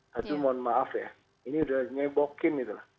hantu mohon maaf ya ini sudah nyebokin